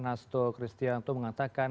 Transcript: hasto kristianto mengatakan